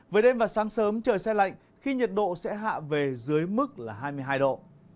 với đêm và sáng sớm trời xe lạnh khi nhiệt độ sẽ hạ về dưới mức là hai mươi hai độ